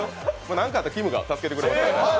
何かあったらきむが助けてくれるから。